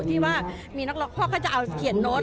ที่ว่ามีนักร้องพ่อเขาจะเอาเขียนโน้ต